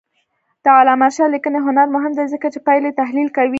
د علامه رشاد لیکنی هنر مهم دی ځکه چې پایلې تحلیل کوي.